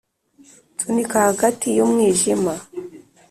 nsunika hagati yumwijima